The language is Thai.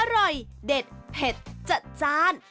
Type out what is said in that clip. อร่อยเด็ดเผ็ดจัดจ้าน